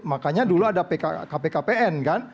makanya dulu ada kpkpn kan